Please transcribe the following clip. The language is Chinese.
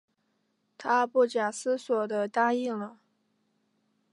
她不假思索地答应了